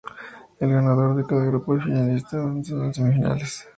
El ganador de cada grupo y finalista avanzan a las semifinales.